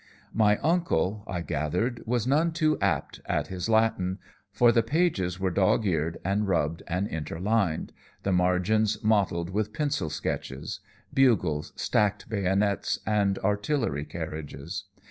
"My uncle, I gathered, was none too apt at his Latin, for the pages were dog eared and rubbed and interlined, the margins mottled with pencil sketches bugles, stacked bayonets, and artillery carriages.